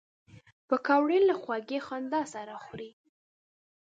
پکورې له خوږې خندا سره خوري